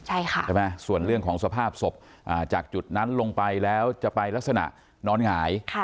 ใช่ไหมส่วนเรื่องของสภาพศพจากจุดนั้นลงไปแล้วจะไปลักษณะนอนหงาย